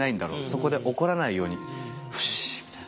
そこで怒らないように「よし」みたいな。